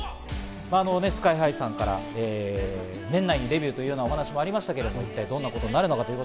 ＳＫＹ−ＨＩさんから、年内にデビューというお話もありましたが一体どういうことになるのか。